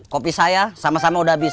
kopi saya sama sama udah bisa